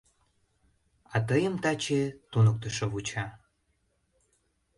— А тыйым таче туныктышо вуча.